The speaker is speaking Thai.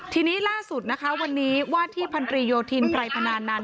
ทีนี้ล่าสุดนะคะวันนี้ว่าที่พันตรีโยธินไพรพนานันต